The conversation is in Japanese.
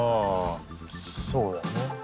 そうだよね